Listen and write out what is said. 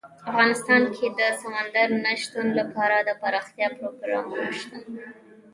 افغانستان کې د سمندر نه شتون لپاره دپرمختیا پروګرامونه شته.